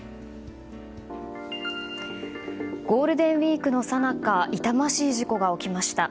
ゴールデンウィークのさなか痛ましい事故が起きました。